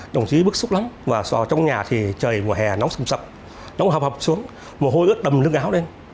đồng chí bức xúc lắm và trong nhà trời mùa hè nóng sầm sập nóng hập hập xuống mồ hôi ướt đầm nước áo lên